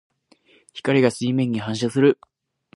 光が水面に反射する。